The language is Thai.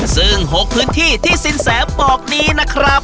ซึ่ง๖พื้นที่ที่สินแสบอกนี้นะครับ